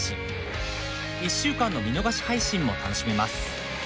１週間の見逃し配信も楽しめます。